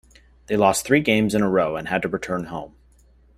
They lost three games in a row, and had to return home.